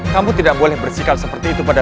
kamu tidak boleh bersikap seperti itu pada